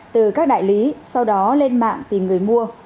từ các đại lý sau đó lên mạng tìm người mua